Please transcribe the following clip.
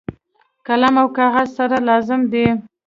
قلم او کاغذ سره لازم دي.